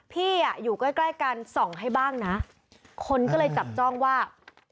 พี่อ่ะอยู่ใกล้ใกล้กันส่องให้บ้างนะคนก็เลยจับจ้องว่า